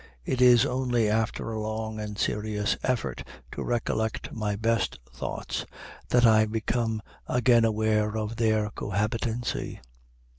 It is only after a long and serious effort to recollect my best thoughts that I become again aware of their cohabitancy.